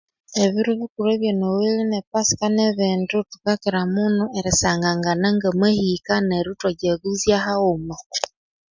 Ebiro bikulhu by'enoeli ne pasika nebindi thukakyiramuno erisanga-ngana nga mahika neryo ithwa jaguzya haghuma